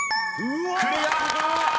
［クリア！］